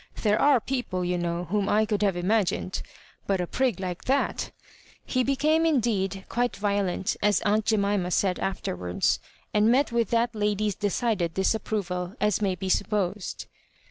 " There are people, you know, whom I could have imagined — ^but a prig like that" He became indeed quite violent, as aunt Jemima said afterwards, and met with that lady's decided disapproval, as may be supposed.